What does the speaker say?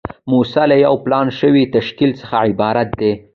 موسسه له یو پلان شوي تشکیل څخه عبارت ده.